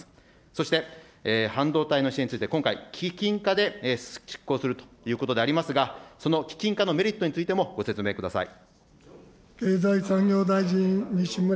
そして、半導体の支援について、今回、基金化で実行するということでありますが、その基金化のメリットについてもご説明ください。